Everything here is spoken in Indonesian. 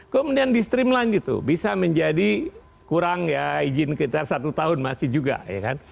kemudian di streamland gitu bisa menjadi kurang ya izin sekitar satu tahun masih juga ya kan